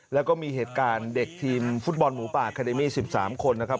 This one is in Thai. แล้วก็มีเหตุการณ์เด็กทีมฟุตบอลหมูป่าคาเดมี่๑๓คนนะครับ